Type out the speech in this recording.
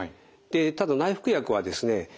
ただ内服薬はですね